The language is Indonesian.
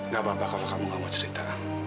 gak apa apa kalau kamu gak mau cerita